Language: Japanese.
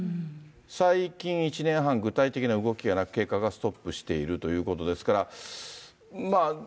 最近１年半、具体的な動きはなく、計画はストップしているということですから。